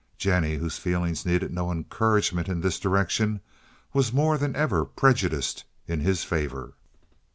Jennie, whose feelings needed no encouragement in this direction, was more than ever prejudiced in his favor.